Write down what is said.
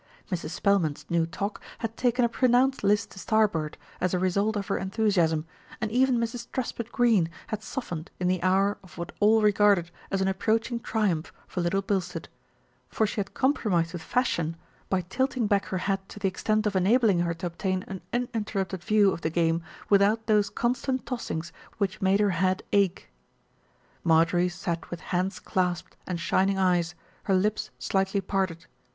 Mrs. Spelman's new toque had taken a pronounced list to starboard, as a result of her enthusiasm, and even Mrs. Truspitt Greene had softened in the hour of what all regarded as an approaching triumph for Little Bil stead; for she had compromised with fashion by tilting back her hat to the extent of enabling her to obtain an uninterrupted view of the game without those constant tossings which made her head ache. Marjorie sat with hands clasped and shining eyes, her lips slightly parted.